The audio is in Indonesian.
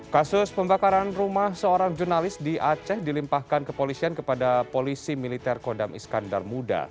kasus pembakaran rumah seorang jurnalis di aceh dilimpahkan kepolisian kepada polisi militer kodam iskandar muda